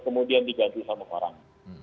kemudian diganti sama orang